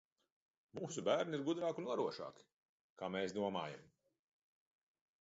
Mūsu bērni ir gudrāki un varošāki, kā mēs domājam!